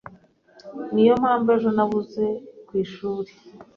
Niyo mpamvu ejo nabuze ku ishuri.